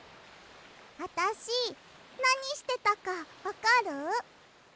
あたしなにしてたかわかる？